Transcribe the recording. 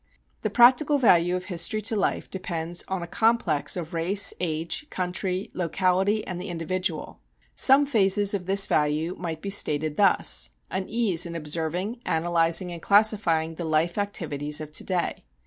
The practical value of history to life depends on a complex of race, age, country, locality and the individual. Some phases of this value might be stated thus: an ease in observing, analyzing and classifying the life activities of to day.